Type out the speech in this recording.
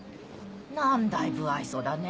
何だい無愛想だね。